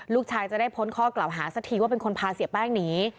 จะได้พ้นข้อกล่าวหาสักทีว่าเป็นคนพาเสียแป้งหนี